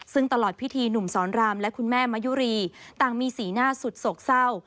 ซึ่งตลอดพิธีหนุ่มสอนรามและคุณแม่มะยุรีต่างมีสีหน้าสุดโศกเศร้า